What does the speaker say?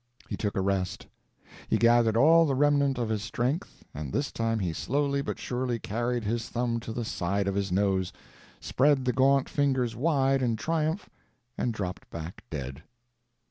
He took a rest; he gathered all the remnant of his strength, and this time he slowly but surely carried his thumb to the side of his nose, spread the gaunt fingers wide in triumph, and dropped back dead.